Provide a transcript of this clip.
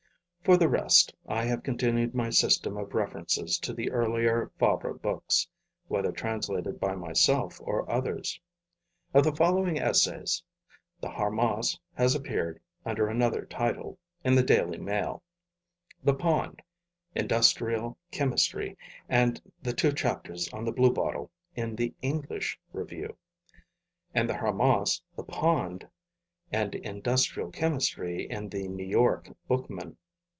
For the rest, I have continued my system of references to the earlier Fabre books, whether translated by myself or others. Of the following essays, The Harmas has appeared, under another title, in The Daily Mail; The Pond, Industrial Chemistry and the two Chapters on the bluebottle in The English Review; and The Harmas, The Pond and Industrial Chemistry in the New York Bookman.